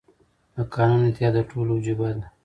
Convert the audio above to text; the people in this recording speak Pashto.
د قانون اطاعت د ټولو وجیبه ده.